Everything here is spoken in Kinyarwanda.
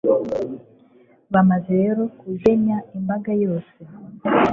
bamaze rero kugenya imbaga yose